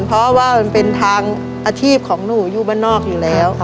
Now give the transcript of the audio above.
เพราะว่ามันเป็นทางอาชีพของหนูอยู่บ้านนอกอยู่แล้วค่ะ